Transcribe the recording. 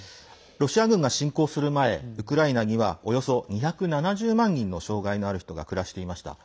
ロシア軍が侵攻する前ウクライナにはおよそ２７０万人の障害のある人が暮らしていました。